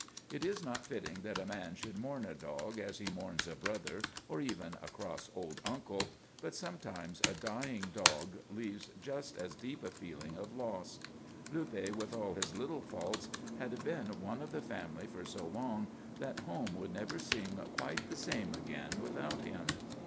It is not fitting that a man should mourn a dog as he mourns a brother or even a cross old uncle, but sometimes a dying dog leaves just as deep a feeling of loss. Luppe, with all his little faults, had been one of the family for so long that home would never seem quite the same again without him.